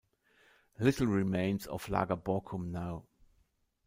Little remains of Lager Borkum now.